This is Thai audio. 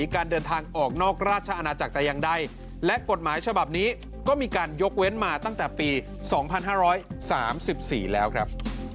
การเดินทางออกนอกราชาอาณาจักรแต่ยังได้และปฏิบัติฉบับนี้ก็มีการยกเว้นมาตั้งแต่ปีสองพันห้าร้อยสามสิบสี่แล้วครับ